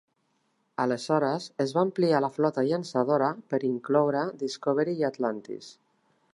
Aleshores es va ampliar la flota llançadora per incloure "Discovery" i "Atlantis".